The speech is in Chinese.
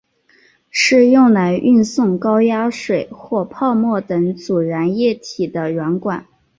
是用来运送高压水或泡沫等阻燃液体的软管。